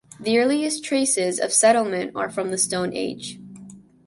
The earliest traces of settlement are from the stone age.